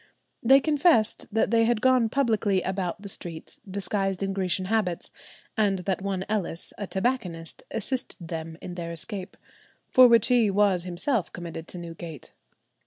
They confessed that they had gone publicly about the streets disguised in Grecian habits, and that one Ellis, a tobacconist, assisted them in their escape, for which he was himself committed to Newgate.